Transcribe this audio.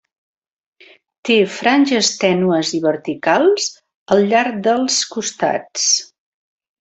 Té franges tènues i verticals al llarg dels costats.